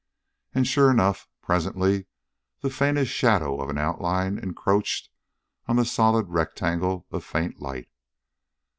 And, sure enough, presently the faintest shadow of an outline encroached on the solid rectangle of faint light.